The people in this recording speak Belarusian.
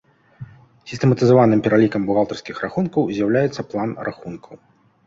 Сістэматызаваным пералікам бухгалтарскіх рахункаў з'яўляецца план рахункаў.